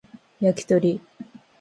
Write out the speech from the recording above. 焼き鳥